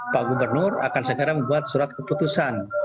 pak gubernur akan segera membuat surat keputusan